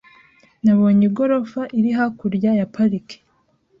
Nabonye igorofa iri hakurya ya parike